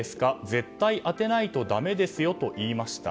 絶対当てないとだめですよと言いました。